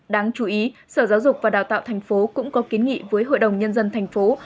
đáng chú ý sở giáo dục và đào tạo tp hcm cũng có kiến nghị với hội đồng nhân dân tp hcm